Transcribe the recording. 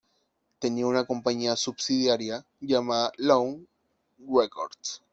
Tenía una compañía subsidiaria llamada Lawn Records.